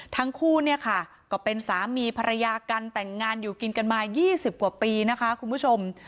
ทั้งคู่เนี่ยค่ะก็เป็นสามีภรรยากันแต่งงานอยู่กินกันมา๒๐กว่าปีนะคะคุณผู้ชม